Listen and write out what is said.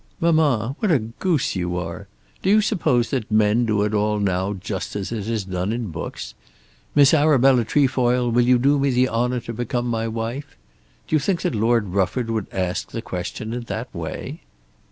"Mamma, what a goose you are! Do you suppose that men do it all now just as it is done in books? 'Miss Arabella Trefoil, will you do me the honour to become my wife?' Do you think that Lord Rufford would ask the question in that way?"